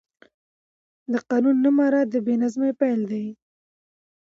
د قانون نه مراعت د بې نظمۍ پیل دی